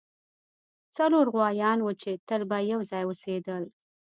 څلور غوایان وو چې تل به یو ځای اوسیدل.